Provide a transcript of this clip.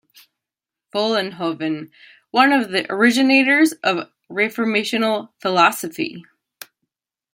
Vollenhoven, one of the originators of Reformational philosophy.